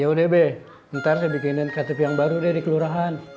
ya odb ntar saya bikinin ktp yang baru deh di kelurahan